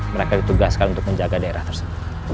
mereka ditugaskan untuk menjaga daerah tersebut